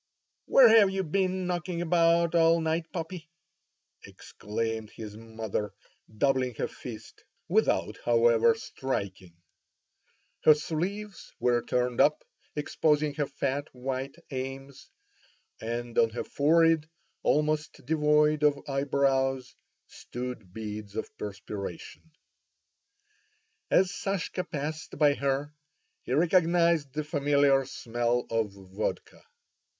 "Where have you been knocking about all night, puppy?" exclaimed his mother doubling her fist, without, however, striking. Her sleeves were turned up, exposing her fat white arms, and on her forehead, almost devoid of eyebrows, stood beads of perspiration. As Sashka passed by her he recognized the familiar smell of vodka.